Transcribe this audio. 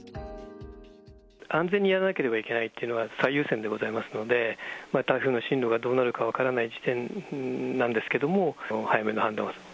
安全にやらなければいけないっていうのが最優先でございますので、台風の進路がどうなるか分からない時点なんですけれども、早めの判断を。